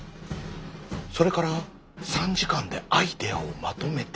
それから３時間でアイデアをまとめて。